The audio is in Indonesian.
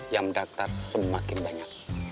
yang daftar semakin banyak